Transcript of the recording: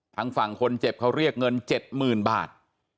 ทางฝั่งคนเจ็บเขาเรียกเงินเจ็ดหมื่นบาท